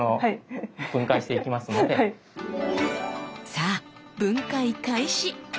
さあ分解開始！